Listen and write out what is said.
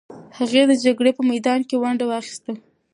هغې د جګړې په میدان کې ونډه واخیسته.